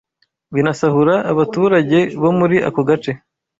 binasahura abaturage bo muri ako gace